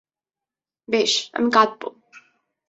বেশ আমি কাঁদব।